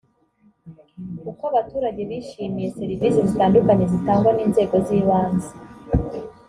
uko abaturage bishimiye serivisi zitandukanye zitangwa n inzego z ibanze